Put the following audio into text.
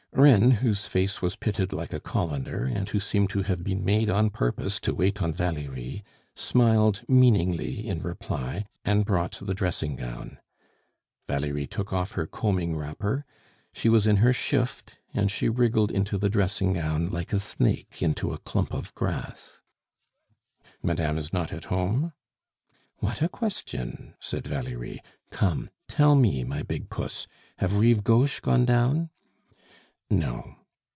Reine, whose face was pitted like a colander, and who seemed to have been made on purpose to wait on Valerie, smiled meaningly in reply, and brought the dressing gown. Valerie took off her combing wrapper; she was in her shift, and she wriggled into the dressing gown like a snake into a clump of grass. "Madame is not at home?" "What a question!" said Valerie. "Come, tell me, my big puss, have Rives Gauches gone down?" "No."